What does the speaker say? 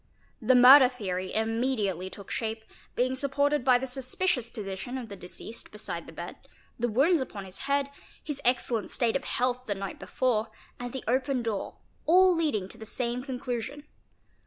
The murder theory immediately took shape, being supported by the suspicious position of the deceased beside the bed, the wounds upon his head, his excellent state of health the night before, and the open door, all leading to the same conclusion.